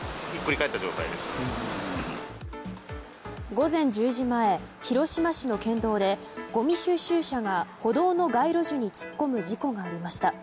午前１０時前広島市の県道でごみ収集車が歩道の街路樹に突っ込む事故がありました。